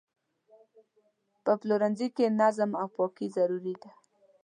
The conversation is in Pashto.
په پلورنځي کې نظم او پاکي ضروري ده.